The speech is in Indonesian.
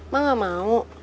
mak gak mau